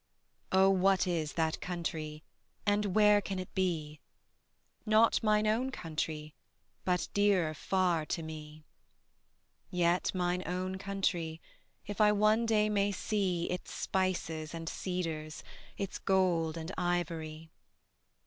Oh what is that country And where can it be, Not mine own country, But dearer far to me? Yet mine own country, If I one day may see Its spices and cedars, Its gold and ivory.